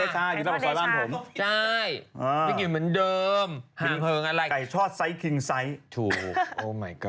ของเค้าไดชาค